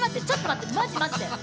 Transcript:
ちょっと待って！